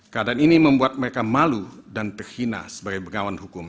keadaan ini membuat mereka malu dan terhina sebagai bengawan hukum